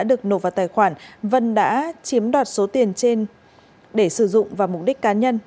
được nộp vào tài khoản vân đã chiếm đoạt số tiền trên để sử dụng vào mục đích cá nhân